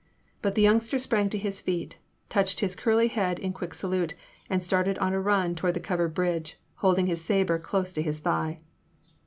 — ^but the youngster sprang to his feet, touched his curly head in quick salute, and started on a run toward the covered bridge, holding his sabre close to his thigh.